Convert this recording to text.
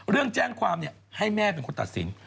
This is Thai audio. เรื่องแจ้งความให้แม่เป็นคนตัดสิน